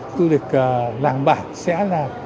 du lịch làng bản sẽ là